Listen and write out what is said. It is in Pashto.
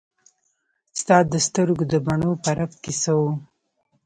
ستا د سترګو د بڼو په رپ کې څه وو.